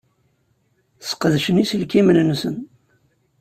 Sqedcen iselkimen-nsen.